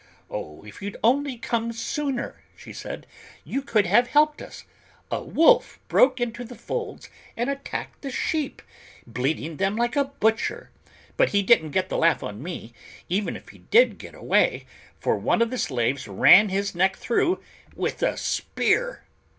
"Oh, if you'd only come sooner," she said, "you could have helped us: a wolf broke into the folds and attacked the sheep, bleeding them like a butcher. But he didn't get the laugh on me, even if he did get away, for one of the slaves ran his neck through with a spear!"